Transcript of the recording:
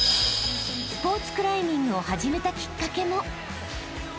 ［スポーツクライミングを始めたきっかけも］